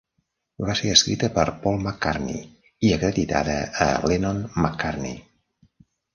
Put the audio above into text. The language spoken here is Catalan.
Va ser escrita per Paul McCartney i acreditada a Lennon-McCartney.